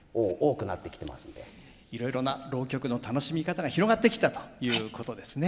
いろいろな浪曲の楽しみ方が広がってきたということですね。